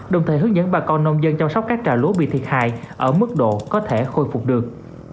đồng thời hướng dẫn bà con nông dân chăm sóc các trà lúa bị thiệt hại ở mức độ có thể khôi phục được